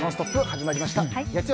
始まりました。